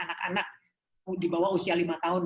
anak anak di bawah usia lima tahun